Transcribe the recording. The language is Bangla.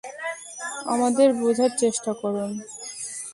আমাদের বুঝার চেষ্টা করুন।